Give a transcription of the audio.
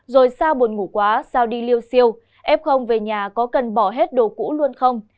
rồi sao buồn ngủ quá sao đi lưu siêu ép không về nhà có cần bỏ hết đồ cũ luôn không